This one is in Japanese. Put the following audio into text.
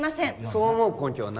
そう思う根拠は？